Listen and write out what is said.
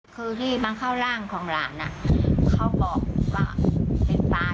คือที่มาเข้าร่างของหลานเขาบอกว่าเป็นปลา